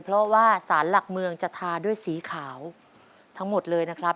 เพราะว่าสารหลักเมืองจะทาด้วยสีขาวทั้งหมดเลยนะครับ